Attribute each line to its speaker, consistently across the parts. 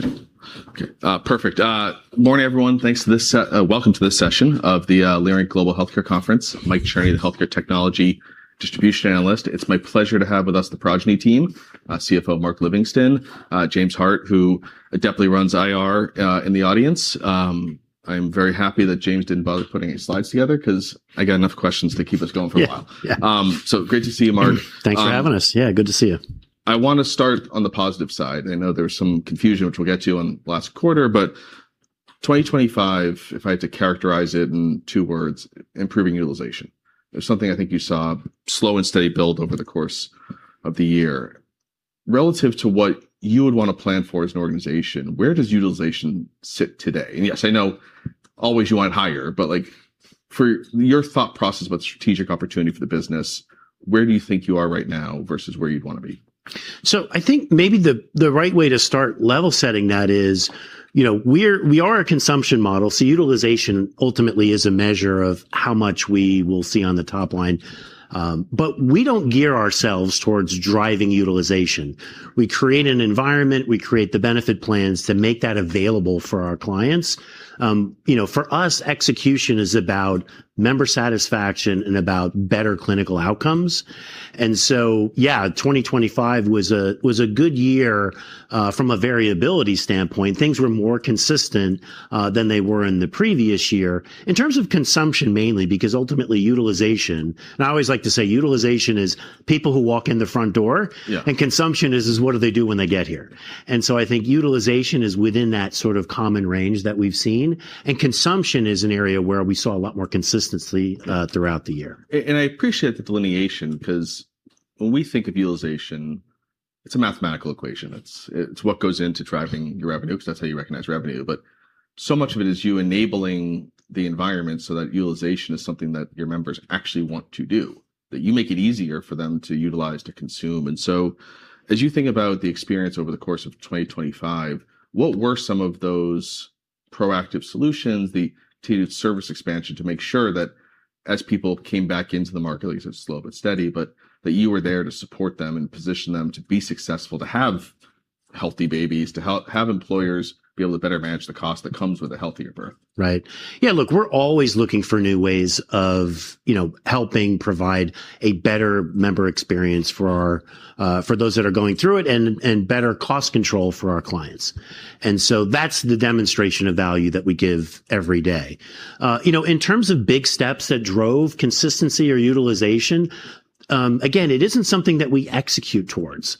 Speaker 1: Good? Okay. Perfect. Morning, everyone. Welcome to this session of the Leerink Global Healthcare Conference. Mike Cherney, the healthcare technology distribution analyst. It's my pleasure to have with us the Progyny team, CFO Mark Livingston, James Hart, who adeptly runs IR, in the audience. I'm very happy that James didn't bother putting any slides together 'cause I got enough questions to keep us going for a while.
Speaker 2: Yeah. Yeah.
Speaker 1: Great to see you, Mark.
Speaker 2: Thanks for having us. Yeah, good to see you.
Speaker 1: I wanna start on the positive side. I know there was some confusion, which we'll get to, on last quarter, but 2025, if I had to characterize it in two words, improving utilization. It's something I think you saw slow and steady build over the course of the year. Relative to what you would wanna plan for as an organization, where does utilization sit today? Yes, I know always you want higher, but, like, for your thought process about strategic opportunity for the business, where do you think you are right now versus where you'd wanna be?
Speaker 2: I think maybe the right way to start level setting that is we are a consumption model, utilization ultimately is a measure of how much we will see on the top line, but we don't gear ourselves towards driving utilization. We create an environment, we create the benefit plans to make that available for our clients. You know, for us, execution is about member satisfaction and about better clinical outcomes. Yeah, 2025 was a good year from a variability standpoint. Things were more consistent than they were in the previous year in terms of consumption mainly because ultimately utilization, and I always like to say utilization is people who walk in the front door.
Speaker 1: Yeah...
Speaker 2: consumption is what do they do when they get here. I think utilization is within that sort of common range that we've seen, and consumption is an area where we saw a lot more consistency throughout the year.
Speaker 1: I appreciate the delineation 'cause when we think of utilization, it's a mathematical equation. It's what goes into driving your revenue 'cause that's how you recognize revenue. So much of it is you enabling the environment so that utilization is something that your members actually want to do, that you make it easier for them to utilize, to consume. As you think about the experience over the course of 2025, what were some of those proactive solutions, the targeted service expansion to make sure that as people came back into the market, like you said, slow but steady, but that you were there to support them and position them to be successful, to have healthy babies, to help employers be able to better manage the cost that comes with a healthier birth?
Speaker 2: Right. Yeah, look, we're always looking for new ways of helping provide a better member experience for our for those that are going through it and better cost control for our clients. That's the demonstration of value that we give every day. You know, in terms of big steps that drove consistency or utilization, again, it isn't something that we execute towards.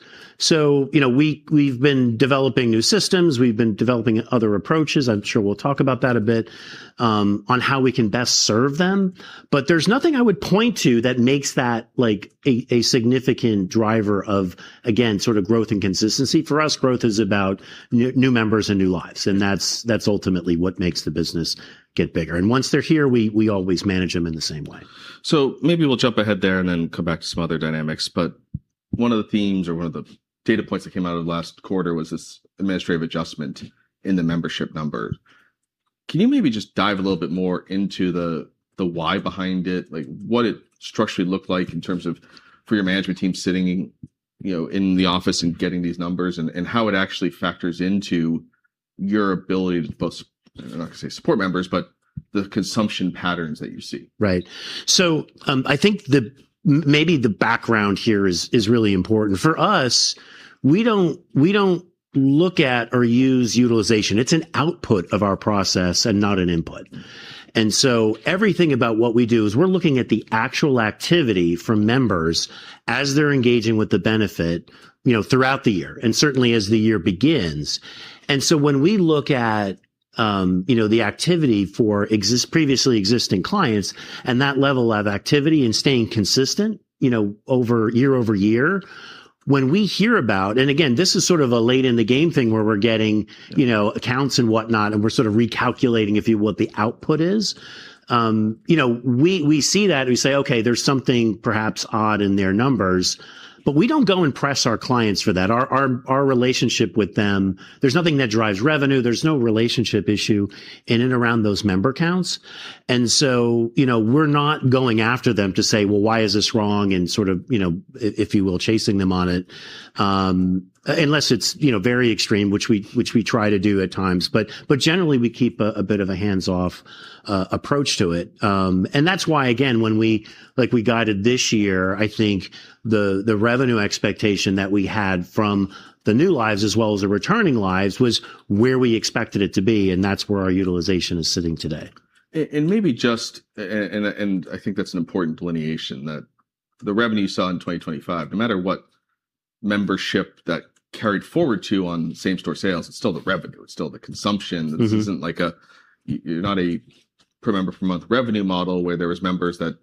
Speaker 2: You know, we've been developing new systems. We've been developing other approaches. I'm sure we'll talk about that a bit on how we can best serve them. There's nothing I would point to that makes that like a significant driver of, again, sort of growth and consistency. For us, growth is about new members and new lives, and that's ultimately what makes the business get bigger. Once they're here, we always manage them in the same way.
Speaker 1: Maybe we'll jump ahead there and then come back to some other dynamics. One of the themes or one of the data points that came out of last quarter was this administrative adjustment in the membership number. Can you maybe just dive a little bit more into the why behind it, like what it structurally looked like in terms of for your management team sitting in the office and getting these numbers and how it actually factors into your ability to both, I'm not gonna say support members, but the consumption patterns that you see?
Speaker 2: Right. I think maybe the background here is really important. For us, we don't look at or use utilization. It's an output of our process and not an input. Everything about what we do is we're looking at the actual activity from members as they're engaging with the benefit throughout the year and certainly as the year begins. When we look at the activity for previously existing clients and that level of activity and staying consistent year-over-year, when we hear about, and again, this is sort of a late in the game thing where we're getting accounts and whatnot, and we're sort of recalculating, if you will, what the output is we see that and we say, "Okay, there's something perhaps odd in their numbers," but we don't go and press our clients for that. Our relationship with them, there's nothing that drives revenue. There's no relationship issue in and around those member counts. You know, we're not going after them to say, "Well, why is this wrong?" sort of if you will, chasing them on it, unless it's very extreme, which we try to do at times. Generally, we keep a bit of a hands-off approach to it. That's why again, when we, like we guided this year, I think the revenue expectation that we had from the new lives as well as the returning lives was where we expected it to be, and that's where our utilization is sitting today.
Speaker 1: Maybe just, I think that's an important delineation that the revenue you saw in 2025, no matter what membership that carried forward to on same-store sales, it's still the revenue. It's still the consumption.
Speaker 2: Mm-hmm.
Speaker 1: This isn't like you're not a per member per month revenue model where there was members that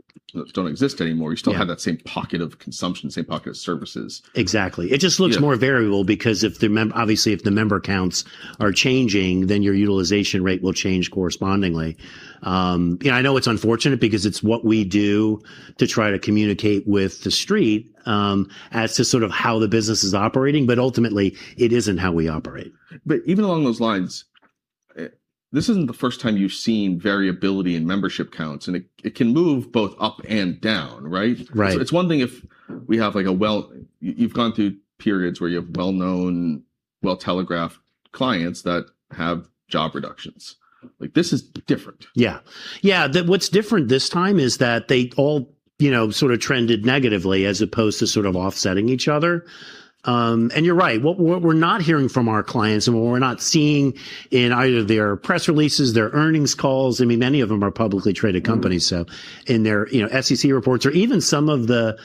Speaker 1: don't exist anymore.
Speaker 2: Yeah.
Speaker 1: You still have that same pocket of consumption, same pocket of services.
Speaker 2: Exactly.
Speaker 1: Yeah.
Speaker 2: It just looks more variable because if the member counts are changing, then your utilization rate will change correspondingly. You know, I know it's unfortunate because it's what we do to try to communicate with the street, as to sort of how the business is operating, but ultimately it isn't how we operate.
Speaker 1: Even along those lines. This isn't the first time you've seen variability in membership counts, and it can move both up and down, right?
Speaker 2: Right.
Speaker 1: It's one thing if we have like a well. You've gone through periods where you have well-known, well-telegraphed clients that have job reductions. Like, this is different.
Speaker 2: Yeah. Yeah. What's different this time is that they all sort of trended negatively as opposed to sort of offsetting each other. You're right. What we're not hearing from our clients and what we're not seeing in either their press releases, their earnings calls. I mean, many of them are publicly traded companies.
Speaker 1: Mm-hmm...
Speaker 2: so in their SEC reports or even some of the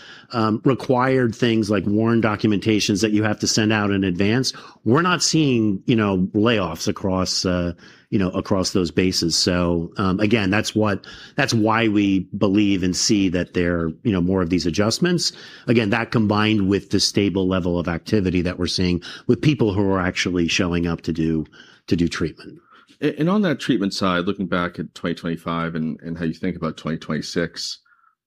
Speaker 2: required things like WARN documentation that you have to send out in advance, we're not seeing layoffs across those bases. Again, that's why we believe and see that there are more of these adjustments. Again, that combined with the stable level of activity that we're seeing with people who are actually showing up to do treatment.
Speaker 1: on that treatment side, looking back at 2025 and how you think about 2026,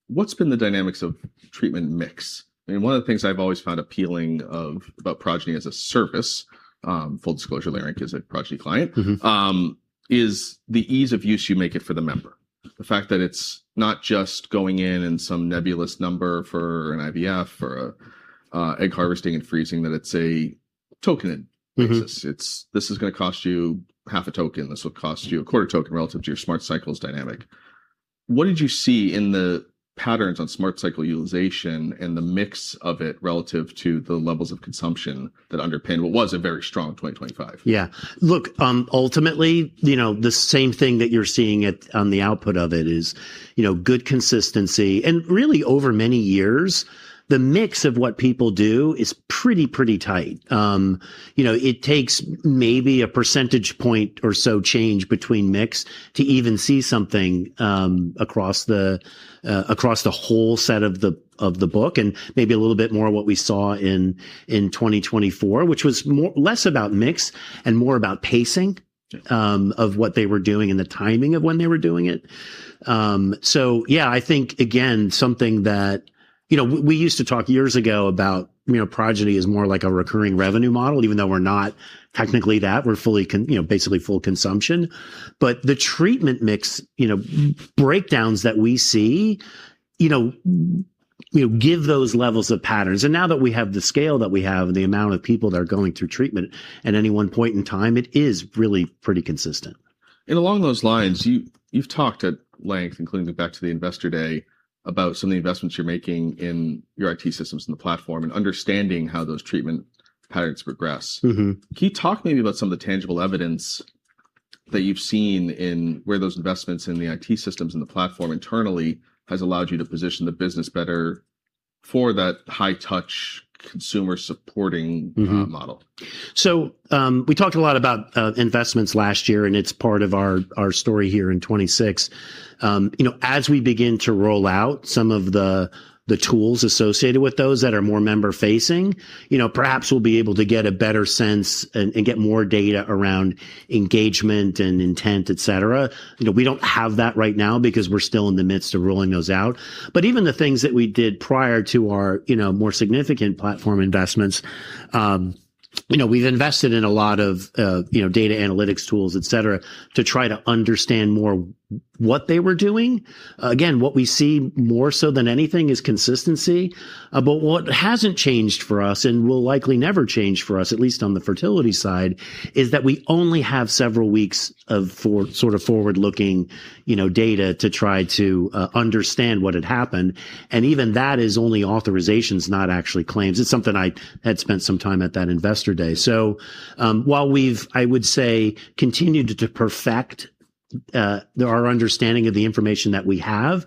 Speaker 1: what's been the dynamics of treatment mix? I mean, one of the things I've always found appealing about Progyny as a service, full disclosure, Leerink is a Progyny client-
Speaker 2: Mm-hmm
Speaker 1: is the ease of use you make it for the member. The fact that it's not just going in some nebulous number for an IVF or a egg harvesting and freezing, that it's a token.
Speaker 2: Mm-hmm.
Speaker 1: It's, "This is gonna cost you half a token. This will cost you a quarter token relative to your Smart Cycle's dynamic." What did you see in the patterns on Smart Cycle utilization and the mix of it relative to the levels of consumption that underpinned what was a very strong 2025?
Speaker 2: Yeah. Look, ultimately the same thing that you're seeing at, on the output of it is good consistency. Really over many years, the mix of what people do is pretty tight. It takes maybe a percentage point or so change between mix to even see something across the whole set of the book and maybe a little bit more what we saw in 2024, which was more, less about mix and more about pacing.
Speaker 1: Sure
Speaker 2: of what they were doing and the timing of when they were doing it. Yeah, I think again, something that you know, we used to talk years ago about Progyny as more like a recurring revenue model even though we're not technically that. We're fully basically full consumption. The treatment mix breakdowns that we see you give those levels of patterns. Now that we have the scale that we have and the amount of people that are going through treatment at any one point in time, it is really pretty consistent.
Speaker 1: Along those lines, you've talked at length, including back to the Investor Day, about some of the investments you're making in your IT systems and the platform and understanding how those treatment patterns progress.
Speaker 2: Mm-hmm.
Speaker 1: Can you talk maybe about some of the tangible evidence that you've seen in where those investments in the IT systems and the platform internally has allowed you to position the business better for that high touch consumer supporting?
Speaker 2: Mm-hmm
Speaker 1: model?
Speaker 2: We talked a lot about investments last year, and it's part of our story here in 2026. You know, as we begin to roll out some of the tools associated with those that are more member-facing perhaps we'll be able to get a better sense and get more data around engagement and intent, et cetera. You know, we don't have that right now because we're still in the midst of rolling those out. Even the things that we did prior to our more significant platform investments we've invested in a lot of data analytics tools, et cetera, to try to understand more what they were doing. Again, what we see more so than anything is consistency. What hasn't changed for us and will likely never change for us, at least on the fertility side, is that we only have several weeks of forward-looking data to try to understand what had happened, and even that is only authorizations, not actually claims. It's something I had spent some time at that Investor Day. While we've, I would say, continued to perfect our understanding of the information that we have,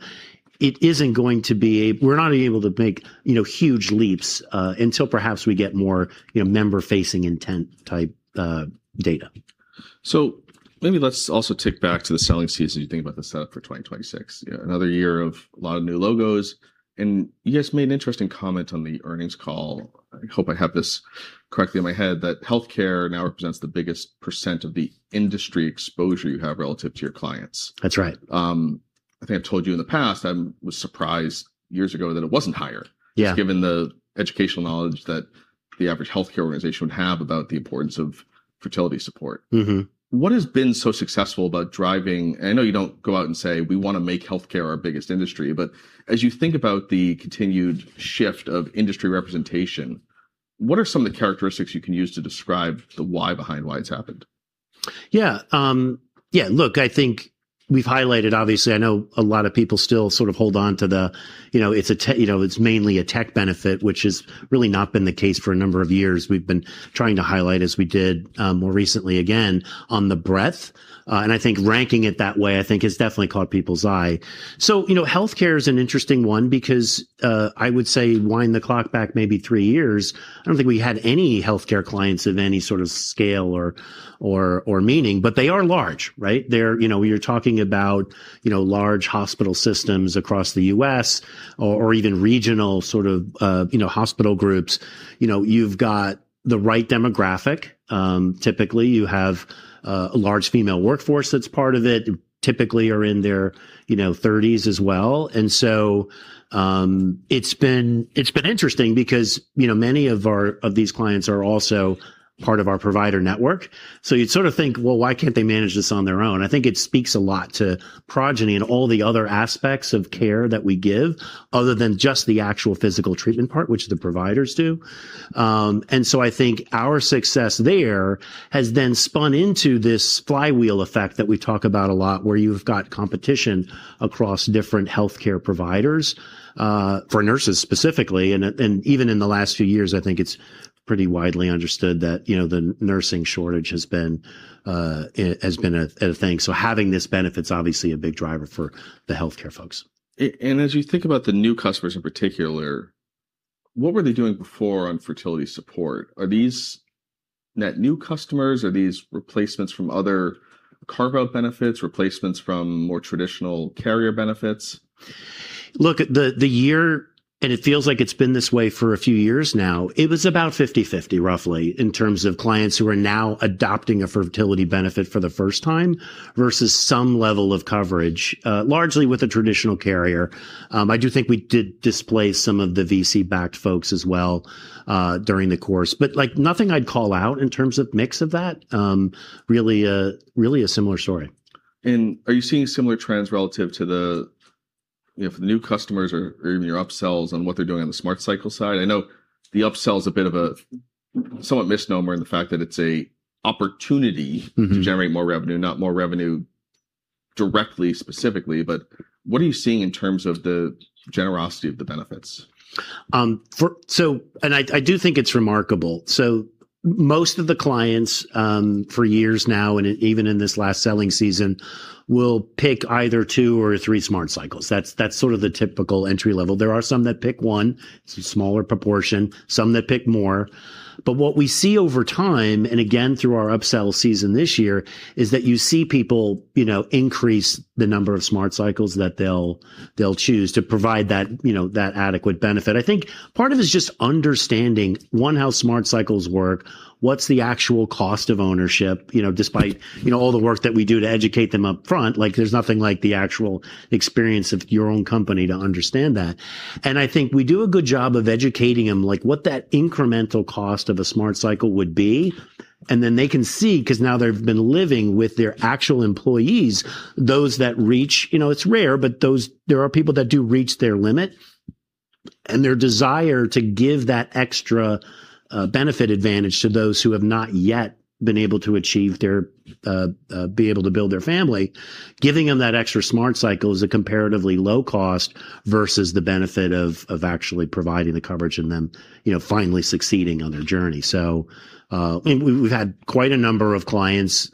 Speaker 2: it isn't going to be. We're not able to make huge leaps until perhaps we get more member-facing intent type data.
Speaker 1: Maybe let's also tick back to the selling season as you think about the setup for 2026. Another year of a lot of new logos, and you just made an interesting comment on the earnings call, I hope I have this correctly in my head, that healthcare now represents the biggest % of the industry exposure you have relative to your clients.
Speaker 2: That's right.
Speaker 1: I think I've told you in the past, I was surprised years ago that it wasn't higher.
Speaker 2: Yeah
Speaker 1: given the educational knowledge that the average healthcare organization would have about the importance of fertility support.
Speaker 2: Mm-hmm.
Speaker 1: What has been so successful about driving, I know you don't go out and say, "We wanna make healthcare our biggest industry," but as you think about the continued shift of industry representation, what are some of the characteristics you can use to describe the why behind why it's happened?
Speaker 2: Yeah. Yeah, look, I think we've highlighted, obviously, I know a lot of people still sort of hold on to the it's mainly a tech benefit, which has really not been the case for a number of years. We've been trying to highlight, as we did, more recently again on the breadth. I think ranking it that way, I think, has definitely caught people's eye. You know, healthcare is an interesting one because, I would say wind the clock back maybe three years, I don't think we had any healthcare clients of any sort of scale or meaning. They are large, right? They're you know, you're talking about large hospital systems across the U.S. or even regional sort of hospital groups. You know, you've got the right demographic. Typically, you have a large female workforce that's part of it, typically are in their thirties as well. It's been interesting because many of these clients are also part of our provider network. You'd sort of think, "Well, why can't they manage this on their own?" I think it speaks a lot to Progyny and all the other aspects of care that we give other than just the actual physical treatment part, which the providers do. I think our success there has then spun into this flywheel effect that we talk about a lot, where you've got competition across different healthcare providers for nurses specifically. Even in the last few years, I think it's pretty widely understood that the nursing shortage has been a thing. Having this benefit's obviously a big driver for the healthcare folks.
Speaker 1: As you think about the new customers in particular, what were they doing before on fertility support? Are these net new customers? Are these replacements from other carve-out benefits, replacements from more traditional carrier benefits?
Speaker 2: Look, this year, it feels like it's been this way for a few years now. It was about 50/50 roughly in terms of clients who are now adopting a fertility benefit for the first time versus some level of coverage, largely with a traditional carrier. I do think we did displace some of the VC-backed folks as well, during the course. Like nothing I'd call out in terms of mix of that. Really a similar story.
Speaker 1: Are you seeing similar trends relative to the, if new customers or even your upsells and what they're doing on the Smart Cycle side? I know the upsell is a bit of a somewhat misnomer in the fact that it's a opportunity-
Speaker 2: Mm-hmm
Speaker 1: to generate more revenue, not more revenue directly specifically. What are you seeing in terms of the generosity of the benefits?
Speaker 2: I do think it's remarkable. Most of the clients, for years now, and even in this last selling season, will pick either two or three Smart Cycles. That's sort of the typical entry level. There are some that pick one, it's a smaller proportion, some that pick more. What we see over time, and again through our upsell season this year, is that you see people increase the number of Smart Cycles that they'll choose to provide that that adequate benefit. I think part of it's just understanding, one, how Smart Cycles work, what's the actual cost of ownership. You know, despite all the work that we do to educate them upfront, like, there's nothing like the actual experience of your own company to understand that. I think we do a good job of educating them, like, what that incremental cost of a Smart Cycle would be. Then they can see, because now they've been living with their actual employees, those that reach it's rare, but those, there are people that do reach their limit, and their desire to give that extra benefit advantage to those who have not yet been able to achieve their be able to build their family, giving them that extra Smart Cycle is a comparatively low cost versus the benefit of actually providing the coverage and them finally succeeding on their journey. We've had quite a number of clients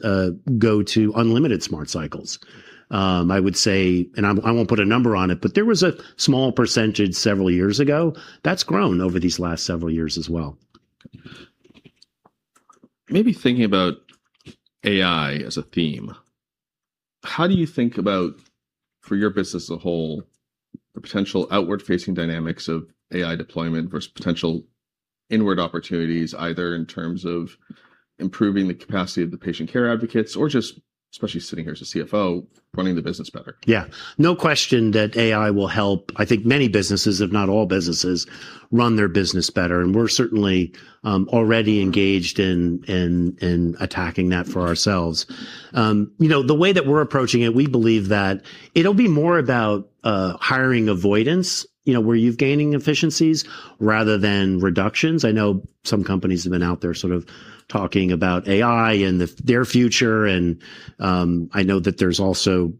Speaker 2: go to unlimited Smart Cycles. I would say, and I won't put a number on it, but there was a small percentage several years ago that's grown over these last several years as well.
Speaker 1: Maybe thinking about AI as a theme, how do you think about, for your business as a whole, the potential outward-facing dynamics of AI deployment versus potential inward opportunities, either in terms of improving the capacity of the patient care advocates or just especially sitting here as a CFO running the business better?
Speaker 2: Yeah. No question that AI will help, I think, many businesses, if not all businesses, run their business better. We're certainly already engaged in attacking that for ourselves. You know, the way that we're approaching it, we believe that it'll be more about hiring avoidance where you're gaining efficiencies rather than reductions. I know some companies have been out there sort of talking about AI and their future, and I know that there's also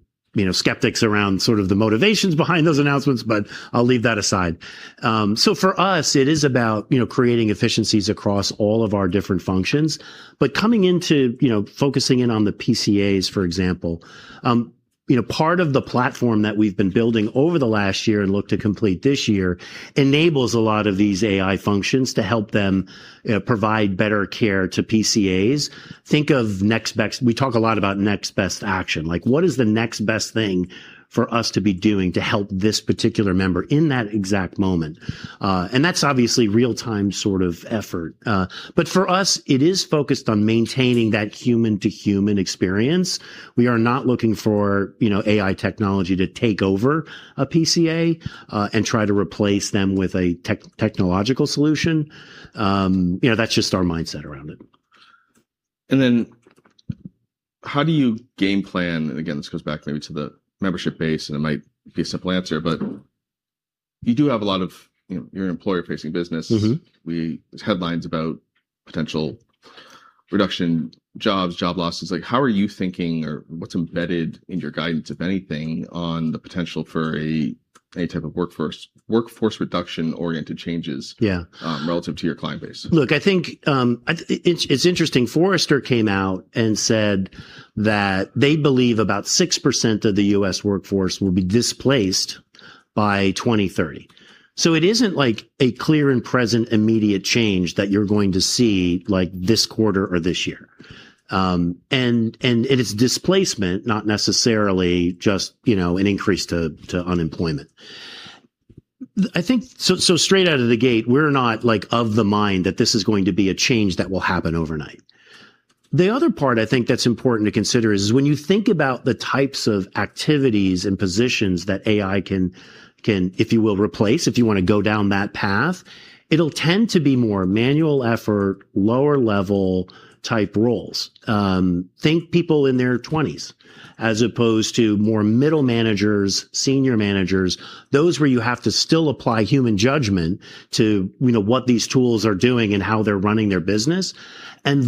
Speaker 2: skeptics around sort of the motivations behind those announcements, but I'll leave that aside. For us, it is about creating efficiencies across all of our different functions. Coming into focusing in on the PCAs, for example part of the platform that we've been building over the last year and look to complete this year enables a lot of these AI functions to help them provide better care to PCAs. Think of next best. We talk a lot about next best action. Like, what is the next best thing for us to be doing to help this particular member in that exact moment? That's obviously real-time sort of effort. For us, it is focused on maintaining that human-to-human experience. We are not looking for AI technology to take over a PCA and try to replace them with a technological solution. You know, that's just our mindset around it.
Speaker 1: How do you game plan? Again, this goes back maybe to the membership base, and it might be a simple answer, but you do have a lot of your employer-facing business.
Speaker 2: Mm-hmm.
Speaker 1: There's headlines about potential job reductions, job losses. Like, how are you thinking or what's embedded in your guidance, if anything, on the potential for any type of workforce reduction-oriented changes?
Speaker 2: Yeah
Speaker 1: Relative to your client base.
Speaker 2: Look, I think it's interesting. Forrester came out and said that they believe about 6% of the U.S. workforce will be displaced by 2030. It isn't like a clear and present immediate change that you're going to see, like, this quarter or this year. It is displacement, not necessarily just an increase to unemployment. I think so straight out of the gate, we're not, like, of the mind that this is going to be a change that will happen overnight. The other part I think that's important to consider is when you think about the types of activities and positions that AI can, if you will, replace, if you wanna go down that path, it'll tend to be more manual effort, lower level type roles. Think people in their twenties as opposed to more middle managers, senior managers, those where you have to still apply human judgment to what these tools are doing and how they're running their business. That's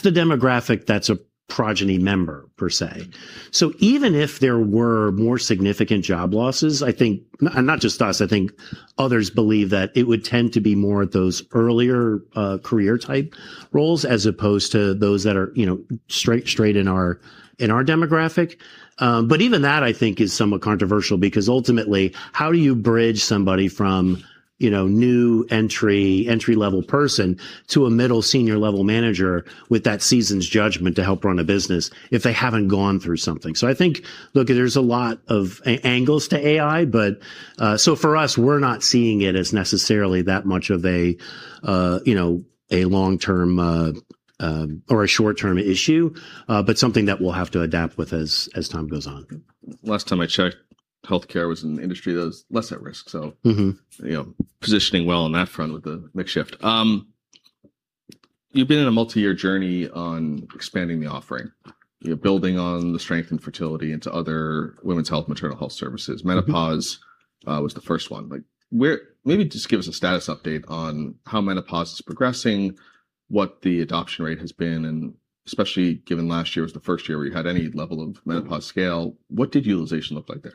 Speaker 2: the demographic that's a Progyny member per se. Even if there were more significant job losses, I think, and not just us, I think others believe that it would tend to be more at those earlier, career type roles as opposed to those that are straight in our demographic. Even that I think is somewhat controversial because ultimately how do you bridge somebody from entry-level person to a middle senior-level manager with that seasoned judgment to help run a business if they haven't gone through something? I think, look, there's a lot of angles to AI, but so for us, we're not seeing it as necessarily that much of a a long-term or a short-term issue, but something that we'll have to adapt with as time goes on.
Speaker 1: Last time I checked, healthcare was an industry that was less at risk.
Speaker 2: Mm-hmm
Speaker 1: You know, positioning well on that front with the mix shift. You've been on a multi-year journey on expanding the offering. You're building on the strength in fertility into other women's health, maternal health services.
Speaker 2: Mm-hmm.
Speaker 1: Menopause was the first one. Like, maybe just give us a status update on how Menopause is progressing, what the adoption rate has been, and especially given last year was the first year where you had any level of Menopause scale, what did utilization look like there?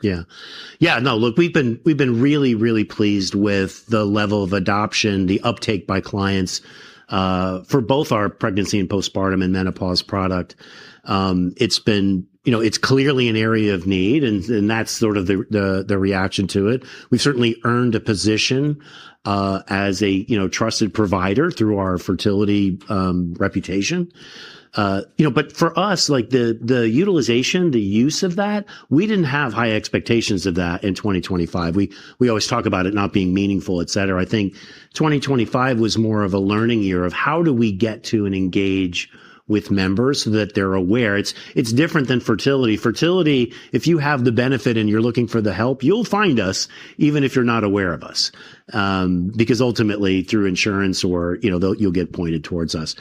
Speaker 2: Yeah, no, look, we've been really pleased with the level of adoption, the uptake by clients, for both our Pregnancy and Postpartum and menopause product. It's been you know, it's clearly an area of need and that's sort of the reaction to it. We've certainly earned a position as a you know, trusted provider through our fertility reputation. You know, but for us, like the utilization, the use of that, we didn't have high expectations of that in 2025. We always talk about it not being meaningful, et cetera. I think 2025 was more of a learning year of how do we get to and engage with members so that they're aware. It's different than fertility. Fertility, if you have the benefit and you're looking for the help, you'll find us even if you're not aware of us, because ultimately through insurance or you'll get pointed towards us.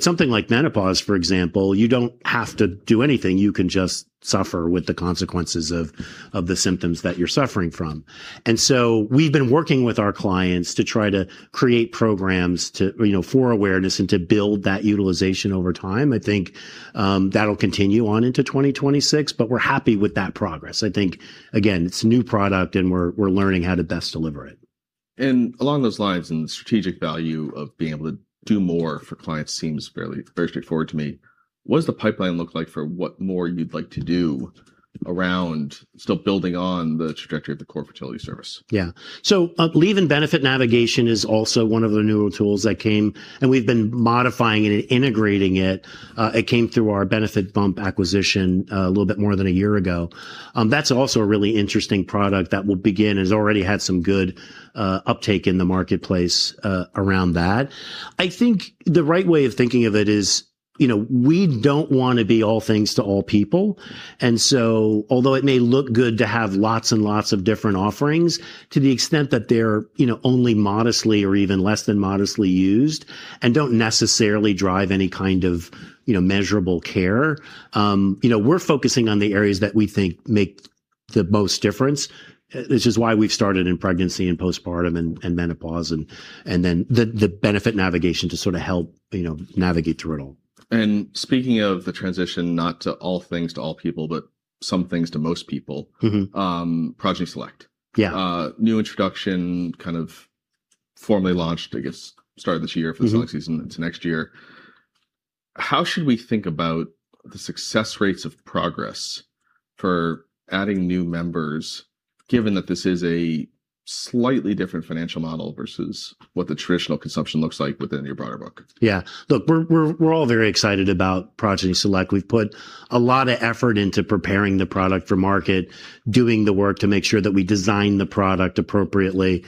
Speaker 2: Something like menopause, for example, you don't have to do anything. You can just suffer with the consequences of the symptoms that you're suffering from. We've been working with our clients to try to create programs to for awareness and to build that utilization over time. I think that'll continue on into 2026, but we're happy with that progress. I think again, it's new product and we're learning how to best deliver it.
Speaker 1: Along those lines and the strategic value of being able to do more for clients seems fairly, very straightforward to me. What does the pipeline look like for what more you'd like to do around still building on the trajectory of the core fertility service?
Speaker 2: Yeah, leave and benefit navigation is also one of the newer tools that came, and we've been modifying it and integrating it. It came through our BenefitBump acquisition a little bit more than a year ago. That's also a really interesting product that will begin. It's already had some good uptake in the marketplace around that. I think the right way of thinking of it is we don't wanna be all things to all people, and so although it may look good to have lots and lots of different offerings, to the extent that they're only modestly or even less than modestly used and don't necessarily drive any kind of measurable care we're focusing on the areas that we think make the most difference. This is why we've started in Pregnancy and Postpartum and menopause and then the Benefit Navigation to sort of help navigate through it all.
Speaker 1: speaking of the transition, not to all things to all people, but some things to most people.
Speaker 2: Mm-hmm.
Speaker 1: Progyny Select.
Speaker 2: Yeah.
Speaker 1: New introduction, kind of formally launched, I guess, start of this year.
Speaker 2: Mm-hmm
Speaker 1: For the Select season into next year. How should we think about the success rates of process for adding new members, given that this is a slightly different financial model versus what the traditional consumption looks like within your broader book?
Speaker 2: Yeah. Look, we're all very excited about Progyny Select. We've put a lot of effort into preparing the product for market, doing the work to make sure that we design the product appropriately.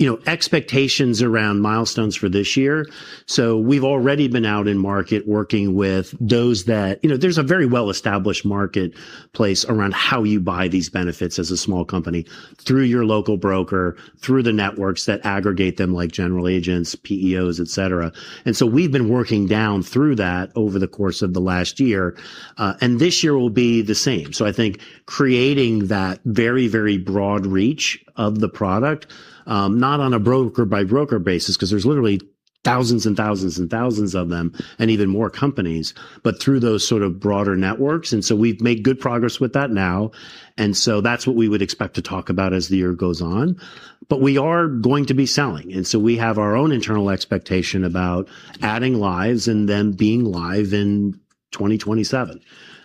Speaker 2: You know, expectations around milestones for this year, so we've already been out in market working with those that there's a very well-established marketplace around how you buy these benefits as a small company through your local broker, through the networks that aggregate them, like general agents, PEOs, et cetera. We've been working down through that over the course of the last year, and this year will be the same. I think creating that very, very broad reach of the product, not on a broker by broker basis, 'cause there's literally thousands and thousands and thousands of them, and even more companies, but through those sort of broader networks. We've made good progress with that now, and that's what we would expect to talk about as the year goes on. We are going to be selling, and we have our own internal expectation about adding lives and then being live in 2027.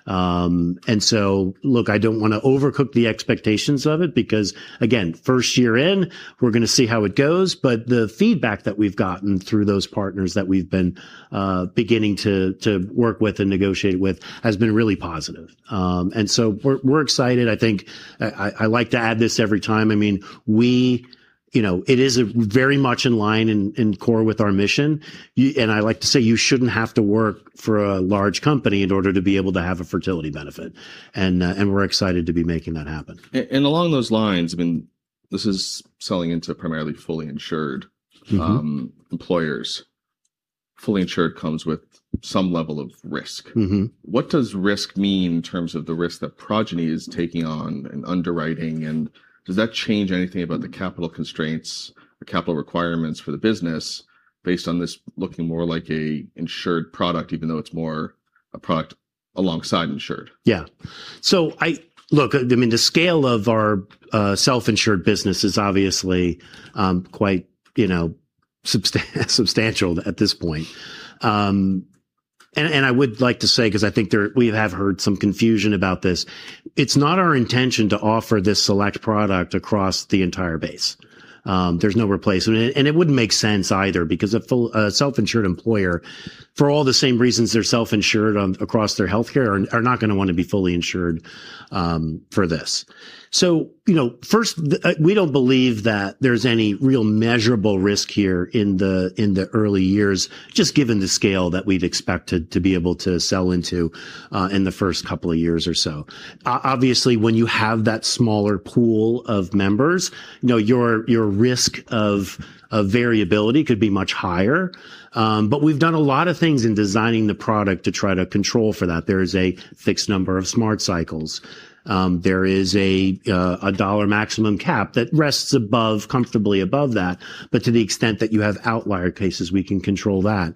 Speaker 2: Look, I don't wanna overcook the expectations of it because, again, first year in, we're gonna see how it goes. The feedback that we've gotten through those partners that we've been beginning to work with and negotiate with has been really positive. We're excited. I think I like to add this every time. I mean, we it is very much in line and core with our mission. I like to say you shouldn't have to work for a large company in order to be able to have a fertility benefit and we're excited to be making that happen.
Speaker 1: Along those lines, I mean, this is selling into primarily fully insured-
Speaker 2: Mm-hmm
Speaker 1: employers. Fully insured comes with some level of risk.
Speaker 2: Mm-hmm.
Speaker 1: What does risk mean in terms of the risk that Progyny is taking on in underwriting, and does that change anything about the capital constraints or capital requirements for the business based on this looking more like a insured product even though it's more a product alongside insured?
Speaker 2: Yeah. Look, I mean, the scale of our self-insured business is obviously quite substantial at this point. I would like to say, 'cause I think we have heard some confusion about this. It's not our intention to offer this select product across the entire base. There's no replacement. It wouldn't make sense either because a self-insured employer, for all the same reasons they're self-insured on across their healthcare, are not gonna wanna be fully insured for this. You know, first, we don't believe that there's any real measurable risk here in the early years just given the scale that we've expected to be able to sell into in the first couple of years or so. Obviously, when you have that smaller pool of members your risk of variability could be much higher, but we've done a lot of things in designing the product to try to control for that. There is a fixed number of Smart Cycles. There is a dollar maximum cap that rests above, comfortably above that, but to the extent that you have outlier cases, we can control that.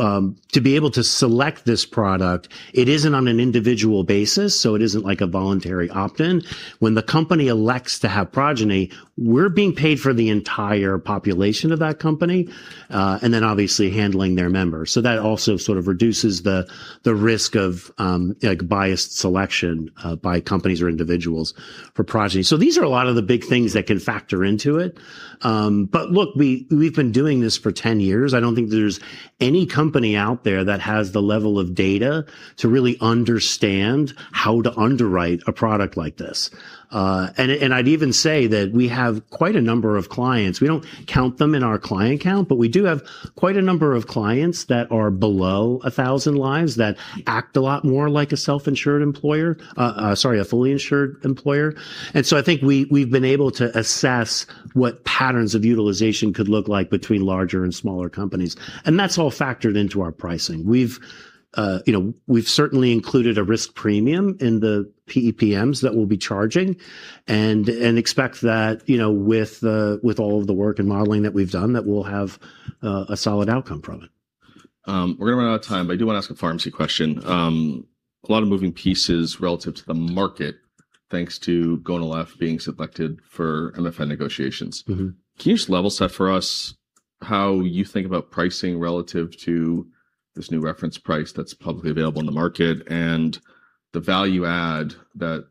Speaker 2: To be able to select this product, it isn't on an individual basis, so it isn't like a voluntary opt-in. When the company elects to have Progyny, we're being paid for the entire population of that company, and then obviously handling their members. So that also sort of reduces the risk of like biased selection by companies or individuals for Progyny. These are a lot of the big things that can factor into it. Look, we've been doing this for 10 years. I don't think there's any company out there that has the level of data to really understand how to underwrite a product like this. I'd even say that we have quite a number of clients. We don't count them in our client count, but we do have quite a number of clients that are below 1,000 lives that act a lot more like a fully insured employer. Sorry, I think we've been able to assess what patterns of utilization could look like between larger and smaller companies, and that's all factored into our pricing. We've we've certainly included a risk premium in the PEPMs that we'll be charging and expect that with all of the work and modeling that we've done, that we'll have a solid outcome from it.
Speaker 1: We're gonna run out of time, but I do wanna ask a pharmacy question.
Speaker 2: Yeah.
Speaker 1: A lot of moving pieces relative to the market thanks to Gonal-f being selected for MFN negotiations.
Speaker 2: Mm-hmm.
Speaker 1: Can you just level set for us how you think about pricing relative to this new reference price that's publicly available on the market and the value add that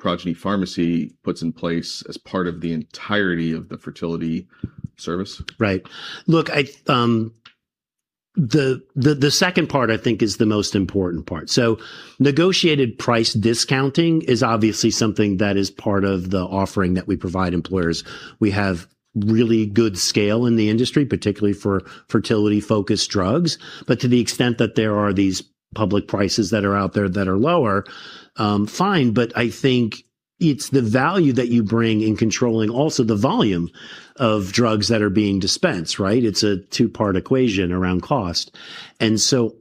Speaker 1: Progyny Rx puts in place as part of the entirety of the fertility service?
Speaker 2: Right. Look, I think the second part is the most important part. Negotiated price discounting is obviously something that is part of the offering that we provide employers. We have really good scale in the industry, particularly for fertility-focused drugs. But to the extent that there are these public prices that are out there that are lower, fine, but I think it's the value that you bring in controlling also the volume of drugs that are being dispensed, right? It's a two-part equation around cost.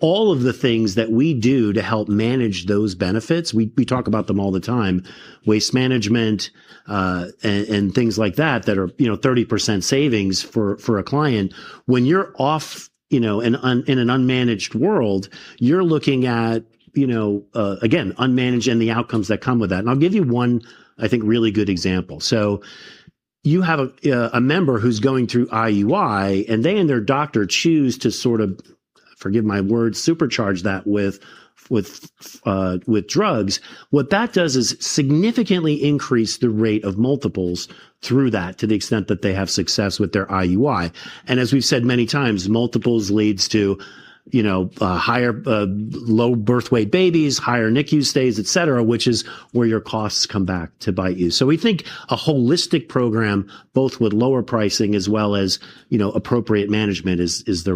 Speaker 2: All of the things that we do to help manage those benefits, we talk about them all the time, waste management and things like that that are 30% savings for a client. When you're off in an unmanaged world, you're looking at again, unmanaged and the outcomes that come with that. I'll give you one, I think, really good example. You have a member who's going through IUI, and they and their doctor choose to sort of, forgive my word, supercharge that with drugs. What that does is significantly increase the rate of multiples through that to the extent that they have success with their IUI. As we've said many times, multiples leads to higher low birth weight babies, higher NICU stays, et cetera, which is where your costs come back to bite you. We think a holistic program both with lower pricing as well as appropriate management is the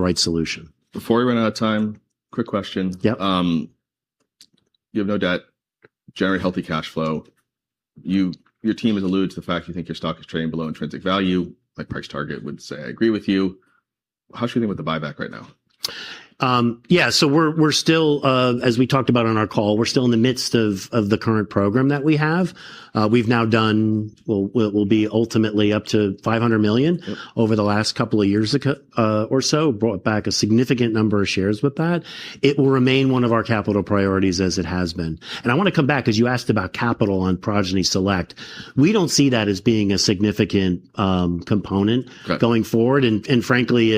Speaker 2: right solution.
Speaker 1: Before we run out of time, quick question.
Speaker 2: Yep.
Speaker 1: You have no debt, generate healthy cash flow. You, your team has alluded to the fact you think your stock is trading below intrinsic value, like price target would say. I agree with you. How should we think about the buyback right now?
Speaker 2: Yeah, we're still, as we talked about on our call, we're still in the midst of the current program that we have. We'll be ultimately up to $500 million-
Speaker 1: Yep...
Speaker 2: over the last couple of years ago, or so. Brought back a significant number of shares with that. It will remain one of our capital priorities as it has been. I wanna come back 'cause you asked about capital on Progyny Select. We don't see that as being a significant component-
Speaker 1: Okay
Speaker 2: Going forward. Frankly,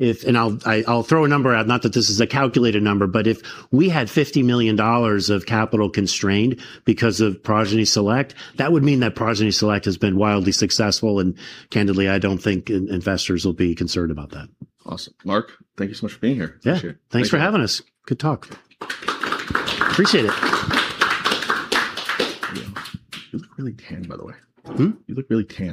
Speaker 2: I'll throw a number out, not that this is a calculated number. If we had $50 million of capital constrained because of Progyny Select, that would mean that Progyny Select has been wildly successful, and candidly, I don't think investors will be concerned about that.
Speaker 1: Awesome. Mark, thank you so much for being here.
Speaker 2: Yeah.
Speaker 1: Appreciate it. Thank you.
Speaker 2: Thanks for having us. Good talk. Appreciate it.
Speaker 1: You look really tan, by the way.
Speaker 2: Hmm?
Speaker 1: You look really tan.